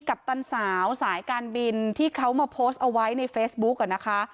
ปันสาวสายการบินที่เขามาโพสต์เอาไว้ในเฟซบุ๊กอ่ะนะคะ